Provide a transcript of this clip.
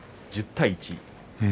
１０対１。